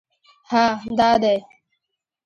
_هه! دا دی!